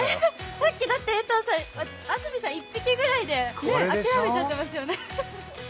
さっきだって、江藤さん、安住さん、１匹ぐらいで諦めちゃってますよね